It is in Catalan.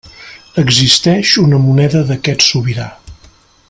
Existeix una moneda d'aquest sobirà.